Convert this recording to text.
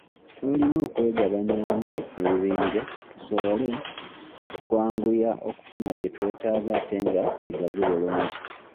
Twalina okwegabanyaamu ebibinja tusobole okwanguya okufuna bye twetaaga ate nga bigazi bulungi.